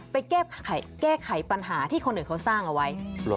ไปแก้ไขปัญหาที่คนอื่นเขาสร้างเอาไว้